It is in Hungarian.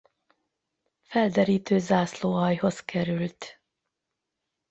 Felderítő Zászlóaljhoz került.